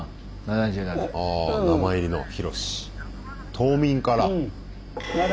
島民から。